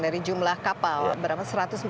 dari jumlah kapal berapa satu ratus empat puluh lima